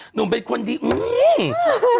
หนุ่มเป็นคนดีอย่างใกล้